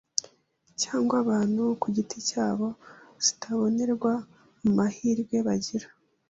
cyangwa abantu ku giti cyabo zitabonerwa mu mahirwe bagira